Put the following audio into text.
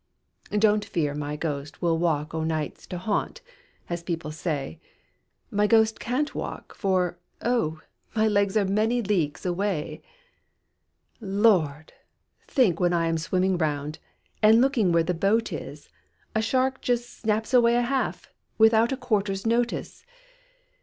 "Don't fear my ghost will walk o' nights To haunt, as people say; My ghost can't walk, for, oh! my legs Are many leagues away! "Lord! think when I am swimming round, And looking where the boat is, A shark just snaps away a half, Without a 'quarter's notice.'